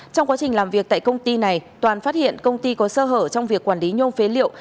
trong quá trình làm việc tại công ty này toàn phát hiện công ty có sơ hở trong việc quản lý nhôm phế liệu